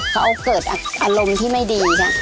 เขาเกิดอารมณ์ที่ไม่ดี